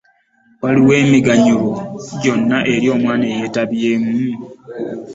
Waliwo emiganyulo gyonna eri omwana eyeetabyemu?